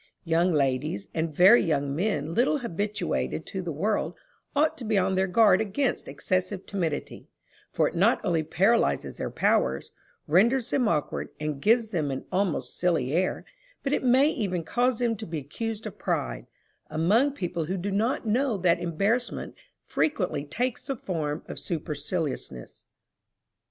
Young ladies, and very young men little habituated to the world, ought to be on their guard against excessive timidity, for it not only paralyzes their powers, renders them awkward, and gives them an almost silly air, but it may even cause them to be accused of pride, among people who do not know that embarrassment frequently takes the form of superciliousness.